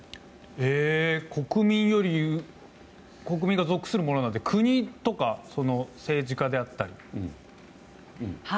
国民より国民が属するものなんで国とか政治家だったり。